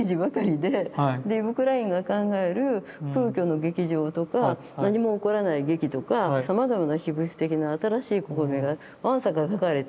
でイヴ・クラインが考える空虚の劇場とか何も起こらない劇とかさまざまな非物質的な新しい試みがわんさか書かれて。